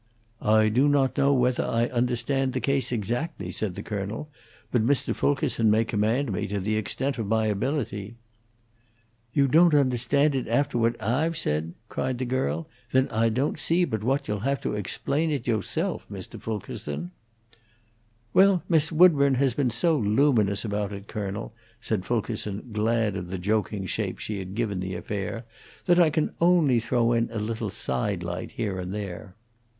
"I do not know whethah I understand the case exactly," said the colonel, "but Mr. Fulkerson may command me to the extent of my ability." "You don't understand it aftah what Ah've said?" cried the girl. "Then Ah don't see but what you'll have to explain it you'self, Mr. Fulkerson." "Well, Miss Woodburn has been so luminous about it, colonel," said Fulkerson, glad of the joking shape she had given the affair, "that I can only throw in a little side light here and there."